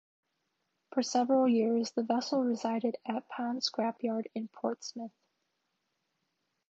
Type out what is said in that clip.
For several years the vessel resided at Pounds scrapyard in Portsmouth.